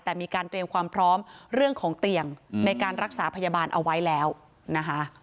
แต่มีการเตรียมความพร้อมเรื่องของเตียงในการรักษาพยาบาลเอาไว้แล้วนะคะ